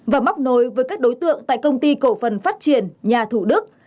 và móc nối với các đối tượng tại công ty cổ phần phát triển nhà thủ đức